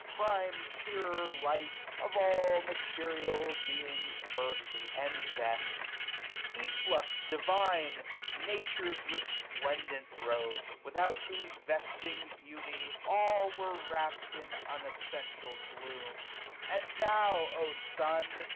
Prime chearer light ! 90 Of all material beings first, and best ! Efflux divine ! Nature's resplendent robe! Without whose vesting beauty all were wrapt In unessential gloom ; and thou, O Sun